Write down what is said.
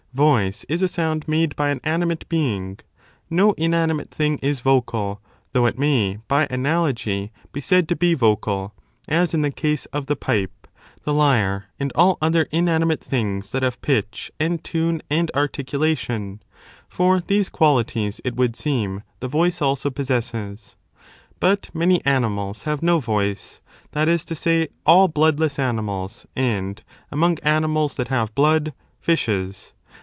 Voice is a sound made by an animate being. No inanimate 9 thing is vocal, though it may by analogy be said to be vocal, as in the case of the pipe, the lyre and all other inanimate things that have pitch and tune and articulation : for these qualities, it would seem, the voice also possesses. But many animals have no voice: that is to say, all bloodless animals and, among animals that have blood, fishes.